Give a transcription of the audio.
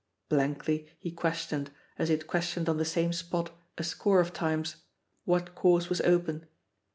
Blankly he questioned, as he had questioned on the same spot a score of times, what course was open.